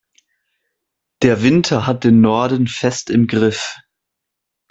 Der Winter hat den Norden fest im Griff.